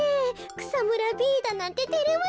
くさむらＢだなんててれますよ。